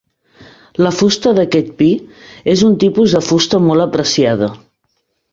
La fusta d'aquest pi, és un tipus de fusta molt apreciada.